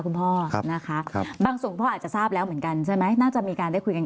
คุณพ่อนะคะครับบางส่วนพ่ออาจจะทราบแล้วเหมือนกันใช่ไหมน่าจะมีการได้คุยกัน